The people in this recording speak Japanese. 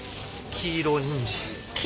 黄色にんじん？